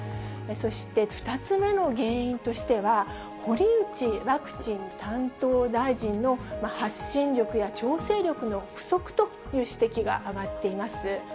そして２つ目の原因としては、堀内ワクチン担当大臣の発信力や調整力の不足という指摘が上がっています。